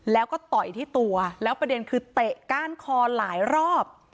แล้วก็ต่อยที่ตัวแล้วประเด็นคือเตะก้านคอหลายรอบ